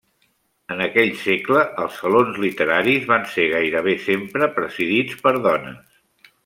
En aquell segle els salons literaris van ser gairebé sempre presidits per dones.